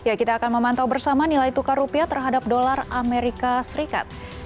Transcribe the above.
ya kita akan memantau bersama nilai tukar rupiah terhadap dolar amerika serikat